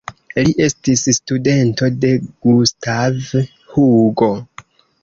Li estis studento de Gustav Hugo.